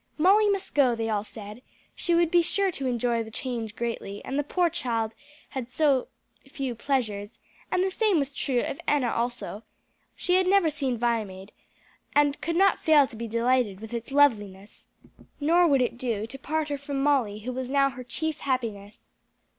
Molly must go, they all said; she would be sure to enjoy the change greatly: and the poor child had so few pleasures; and the same was true of Enna also: she had never seen Viamede, and could not fail to be delighted with its loveliness; nor would it do to part her from Molly, who was now her chief happiness.